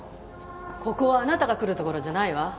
ここはあなたが来る所じゃないわ。